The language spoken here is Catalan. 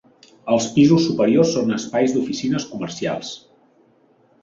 Els pisos superiors són espais d'oficines comercials.